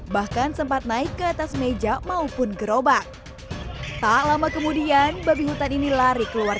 bahkan sempat naik ke atas meja maupun gerobak tak lama kemudian babi hutan ini lari keluar